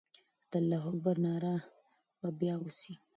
د الله اکبر ناره به بیا وسي.